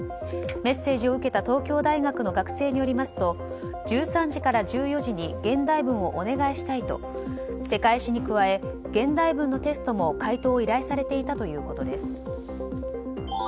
メッセージを受けた東京大学の学生によりますと１３時から１４時に現代文をお願いしたいと世界史に加え、現代文のテストも解答を依頼されていたということです。